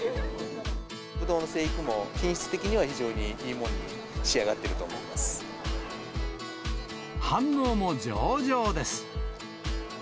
ブドウの生育も、品質的には非常にいいものに仕上がっている反応も上々です。